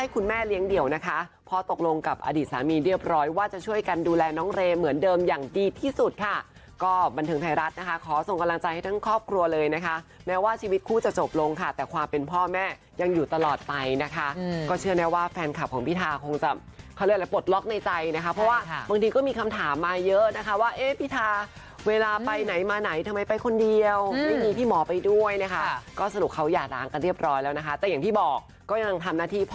คุณแม่เลี้ยงเดี่ยวนะคะพ่อตกลงกับอดีตสามีเรียบร้อยว่าจะช่วยกันดูแลน้องเรเหมือนเดิมอย่างดีที่สุดค่ะก็บันเทิงไทยรัฐนะคะขอส่งกำลังใจให้ทั้งครอบครัวเลยนะคะแม้ว่าชีวิตคู่จะจบลงค่ะแต่ความเป็นพ่อแม่ยังอยู่ตลอดไปนะคะก็เชื่อนะว่าแฟนคลับของพี่ทาคงจะเขาเรียกว่าปลดล็อกในใจนะคะเพราะว่าบางท